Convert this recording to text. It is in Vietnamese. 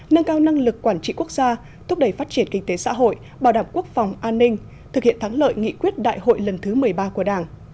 nâng cao năng lực quản trị quốc gia thúc đẩy phát triển kinh tế xã hội bảo đảm quốc phòng an ninh thực hiện thắng lợi nghị quyết đại hội lần thứ một mươi ba của đảng